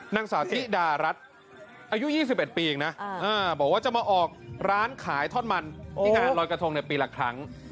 นางสาวธิดารัฐอายุ๒๑ปีเองนะบอกว่าจะมาออกร้านขายท่อนมันที่งานรอยกระทงในปีละครั้ง